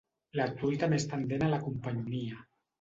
La truita més tendent a la companyonia.